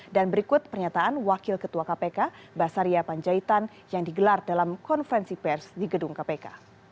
dan berikut pernyataan wakil ketua kpk basaria panjaitan yang digelar dalam konferensi pers di gedung kpk